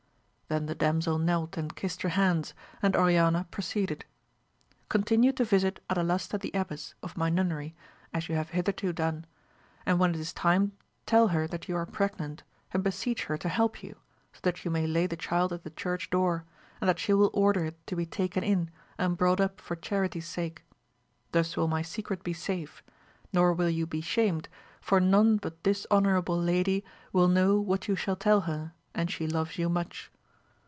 Then the damsel knelt and kissed her hands, and Oriana proceeded : continue to visit Ada lasta the Abbess of my nunnery as you have hitherto done, and when it is time tell her that you are pregnant, and beseech her to help you, so that you may lay the child at the church door, and that she will order it to be taken in aijd brought up for charity's sake ; thus will my secret b^ safe, nor will you be shamed, for none but this honourable lady will know what you shall tell her, and she loves you much.